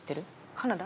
カナダ？